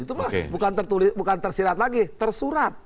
itu mah bukan tersirat lagi tersurat